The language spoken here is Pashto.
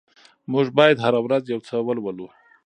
موږ بايد هره ورځ يو څه ولولو.